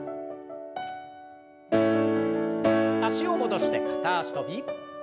脚を戻して片脚跳び。